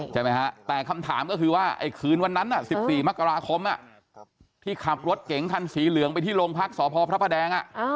ใช่ไหมฮะแต่คำถามก็คือว่าไอ้คืนวันนั้น๑๔มกราคมที่ขับรถเก๋งคันสีเหลืองไปที่โรงพักษพพระแดง